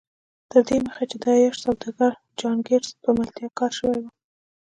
تر دې مخکې د عياش سوداګر جان ګيټس په ملتيا کار شوی و.